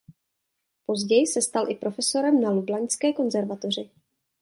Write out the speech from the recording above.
Později se stal i profesorem na lublaňské konzervatoři.